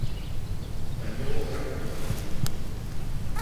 Gañou o gran favorito.